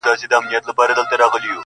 ماته په اورغوي کي ازل موجونه کښلي وه.!